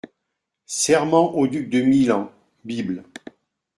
Serment au duc de Milan, Bibl.